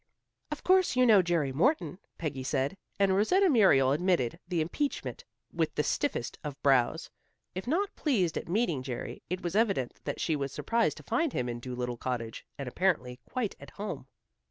"Of course you know Jerry Morton," Peggy said, and Rosetta Muriel admitted the impeachment, with the stiffest of bows. If not pleased at meeting Jerry, it was evident that she was surprised to find him in Dolittle Cottage, and apparently quite at home.